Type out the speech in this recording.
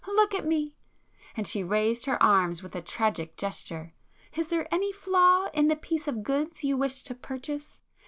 Look at me!" and she raised her arms with a tragic gesture; "Is there any flaw in the piece of goods you wish to purchase?